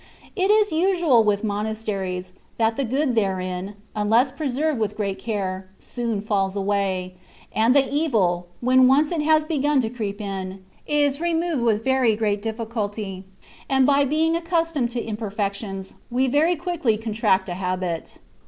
It is usual with monasteries, that the good therein, unless pre served with great care, soon falls away ; and the evil, when once it has begun to creep in, is re moved with very great difficulty ; and by being accustomed to imperfections, we very quickly con tract a habit.